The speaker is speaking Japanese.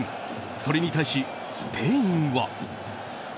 それに対しスペインは。